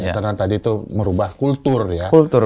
karena tadi tuh merubah kultur ya